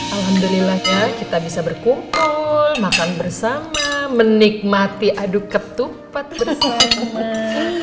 alhamdulillah ya kita bisa berkumpul makan bersama menikmati aduk ketupat